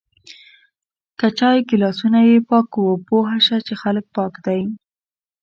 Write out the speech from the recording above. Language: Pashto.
که چای ګلاسونه یی پاک و پوهه شه چی خلک پاک دی